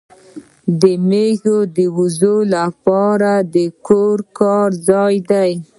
مېز د زوی لپاره د کور کار ځای دی.